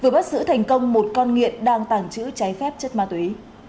bắt xử thành công một con nghiện đang tàng trữ trái phép chất ma túy